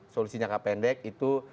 solusi jangka pendek itu